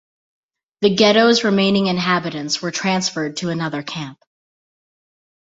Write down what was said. The ghetto's remaining inhabitants were transferred to another camp.